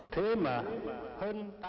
thứ mà hơn tám mươi năm